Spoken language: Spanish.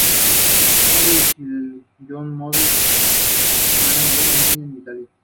Presenta una hilera simple de fotóforos en el cuerpo.